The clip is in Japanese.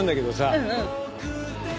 うんうん。